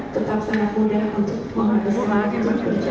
tetap sangat mudah untuk menghargai semua itu